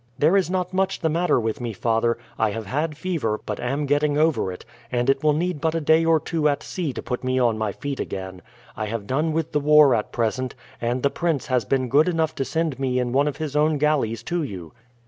"There is not much the matter with me, father. I have had fever, but am getting over it, and it will need but a day or two at sea to put me on my feet again. I have done with the war at present, and the prince has been good enough to send me in one of his own galleys to you."